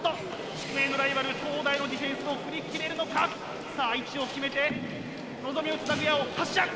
宿命のライバル東大のディフェンスを振り切れるのか⁉さぁ位置を決めて望みをつなぐ矢を発射！